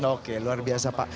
oke luar biasa pak